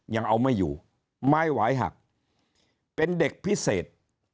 ยังเอาไม่อยู่ไม้หวายหักเป็นเด็กพิเศษ